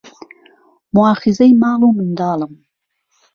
موواخیزەی ماڵ و منداڵم